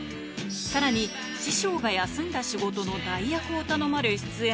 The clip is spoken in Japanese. さらに、師匠が休んだ仕事の代役を頼まれ出演。